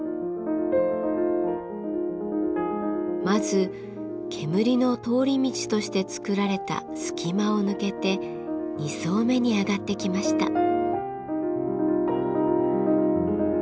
まず煙の通り道として作られた隙間を抜けて２層目に上がってきました。